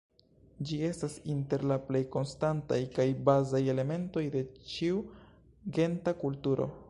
Ĝi estas inter la plej konstantaj kaj bazaj elementoj de ĉiu genta kulturo.